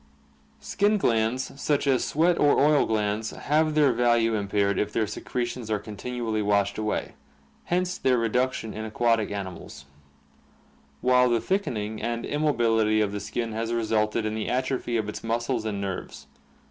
Skin glands such as sweat or oil glands have their value impaired if their secretions are continually washed away, hence their reduc tion in aquatic animals; while the thickening and immobility of the skin has resulted in the atrophy of its muscles and nerves.